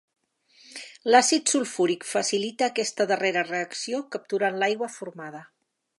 L'àcid sulfúric facilita aquesta darrera reacció capturant l'aigua formada.